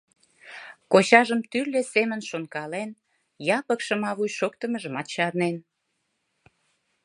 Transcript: Кочажым тӱрлӧ семын шонкален, Япык шымавуч шоктымыжымат чарнен.